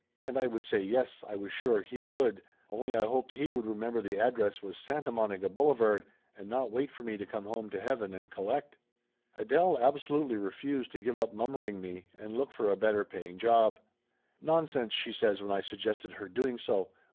And I would say yes, I was sure He would, only I hoped He would remember the address was Santa Monica Boulevard and not wait for me to come home to heaven and collect. Laughter Limited 151 Adele absolutely refused to give up mommering me and look for a better paying job. "Nonsense!" she says when I suggested her doing so.